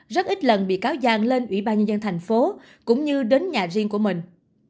rất ít lần bị cáo giang lên ủy ban nhân dân thành phố cũng như đến nhà riêng của mình